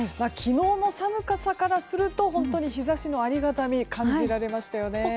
昨日の寒さからすると本当に日差しのありがたみ感じられましたよね。